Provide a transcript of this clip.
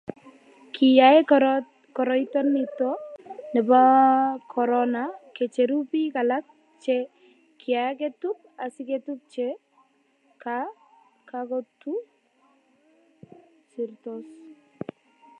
Kiyai koroito nito bo korona ke cheru biik alak che kiaketub asiketub che katukusirtos